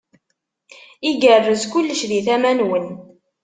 Igerrez kullec di tama-nwen.